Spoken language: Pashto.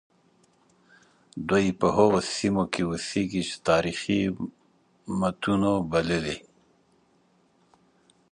دوی په هغو سیمو کې اوسیږي چې تاریخي متونو بللي.